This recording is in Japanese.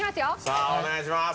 さあお願いします。